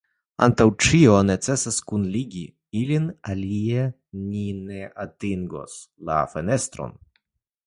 Antaŭ ĉio necesas kunligi ilin, alie ni ne atingos la fenestron.